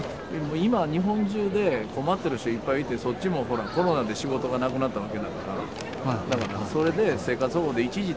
今日本中で困ってる人いっぱいいてそっちもコロナで仕事がなくなったわけだから。